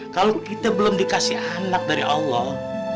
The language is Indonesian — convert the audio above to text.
kalau kita belum dikasih anak dari allah